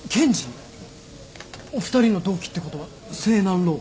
お二人の同期ってことは青南ロー？